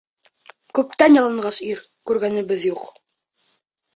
Күптән яланғас ир күргәнебеҙ юҡ.